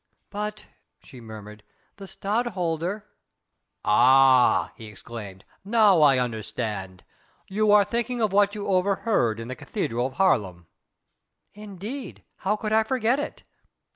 "But ..." she murmured, "the Stadtholder...." "Ah!" he exclaimed, "now I understand. You are thinking of what you overheard in the cathedral of Haarlem." "Indeed, how could I forget it?"